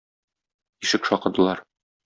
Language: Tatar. Ишек шакыдылар.